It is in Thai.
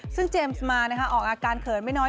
ซึ่งเจมส์มาออกอาการเขินไม่น้อย